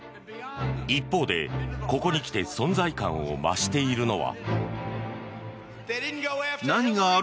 一方で、ここにきて存在感を増しているのは。